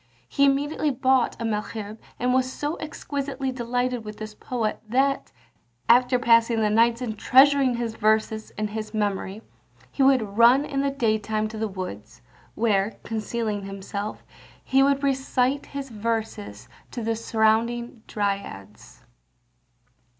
He immediately bought a Malherbe, and was so exquisitely delighted with this poet that, after passing the nights in treasuring his verses in his memory, he would run in the day time to the woods, where, concealing himself, he would recite his verses to the surrounding dryads.